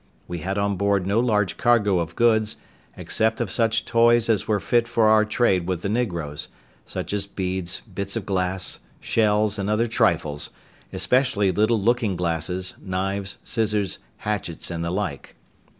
We had on board no large cargo of goods, except of such toys as were fit for our trade with the negroes, such as beads, bits of glass, shells, and other trifles, especially little looking glasses, knives, scissors, hatchets, and the like.